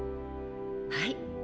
はい。